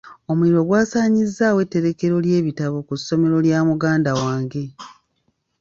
Omuliro gw’asaanyizaawo etterekero ly’ebitabo ku ssomero lya muganda wange.